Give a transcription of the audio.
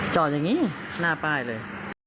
จอดอย่างนี้หน้าป้ายเลย